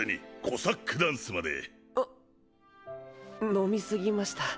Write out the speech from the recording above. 飲みすぎました。